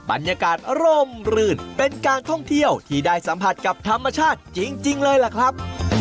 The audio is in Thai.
บรรยากาศร่มรื่นเป็นการท่องเที่ยวที่ได้สัมผัสกับธรรมชาติจริงเลยล่ะครับ